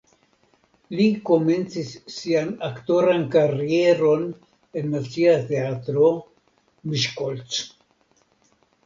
Li komencis sian aktoran karieron en Nacia Teatro (Miskolc).